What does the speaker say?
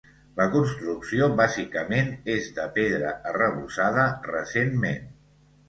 La construcció bàsicament és de pedra arrebossada recentment.